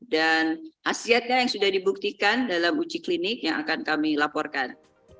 dan hasilnya yang sudah dibuktikan dalam uji klinik yang akan kami laporkan